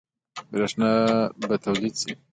برښنا به تولید شي؟